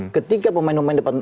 ketika pemain pemain depan